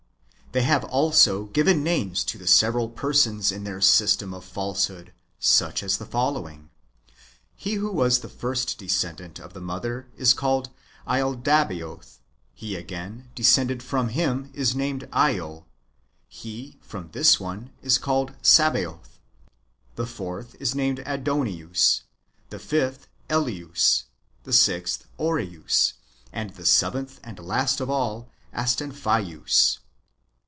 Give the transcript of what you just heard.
They have also given names to [the several persons] in 106 IRENJEUS AGAINST HERESIES. [Book i. their system of falsehood, such as the following : he who was the first descendant of the mother is called laldabaoth;^ he, ao ain, descended from him, is named lao ; he, from this one, is called Sabaoth ; the fourth is named Adoneus ; the fifth, Eloeus; the sixth, Oreus; and the seventh and last of all, Astanphseus.